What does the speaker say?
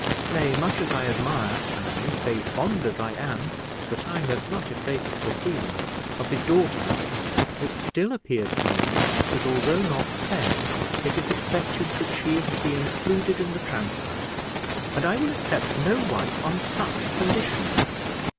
Nay, much as I admire, and I may say, fond as I am (for time has not effaced the feeling) of his daughter, it still appears to me that, although not said, it is expected that she is to be included in the transfer; and I will accept no wife on such conditions."